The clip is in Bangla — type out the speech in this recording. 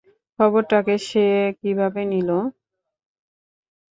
খবরটাকে সে কীভাবে নিলো?